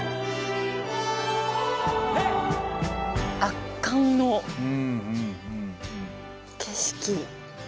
圧巻の景色。